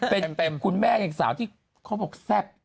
เป็นคุณแม่เกล็กสาวที่เขาบอกแทบ